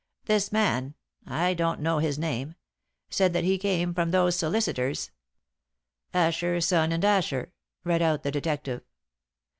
This man I don't know his name said that he came from those solicitors " "'Asher, Son, and Asher,'" read out the detective.